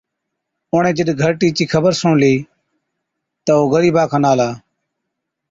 اُڻهين جِڏ گھَرٽِي چِي خبر سُڻلِي، تِہ او غرِيبا کن آلا،